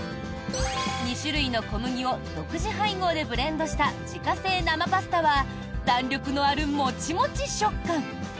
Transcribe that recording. ２種類の小麦を独自配合でブレンドした自家製生パスタは弾力のあるモチモチ食感！